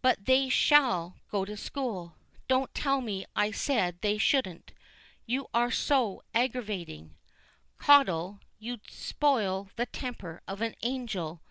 But they shall go to school. Don't tell me I said they shouldn't: you are so aggravating, Caudle; you'd spoil the temper of an angel.